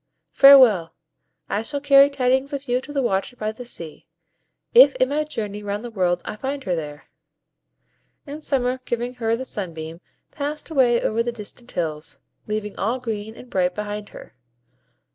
Farewell! I shall carry tidings of you to the watcher by the sea, if in my journey round the world I find her there." And Summer, giving her the sunbeam, passed away over the distant hills, leaving all green and bright behind her.